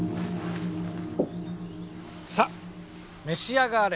さ召し上がれ。